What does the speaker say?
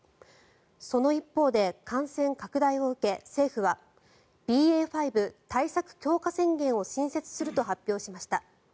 その一方で感染拡大を受け、政府はＢＡ．５対策強化宣言を新設すると発表しました。